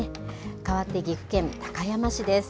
かわって岐阜県の高山市です。